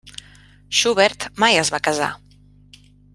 Schubert mai es va casar.